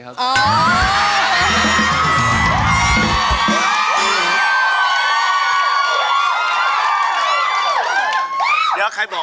เดี๋ยวใครบอก